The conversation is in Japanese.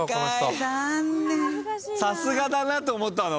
さすがだなと思ったの。